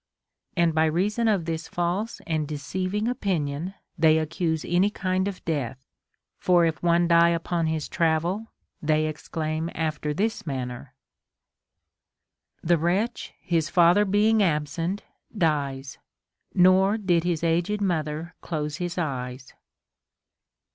And by reason of this false and deceiving opinion they accuse any kind of death ; for if one die upon his travel, they exclaim after this manner :— The Avretch, his father being absent, dies ; Nor did his aged mother close his eyes.